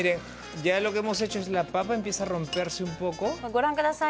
ご覧ください。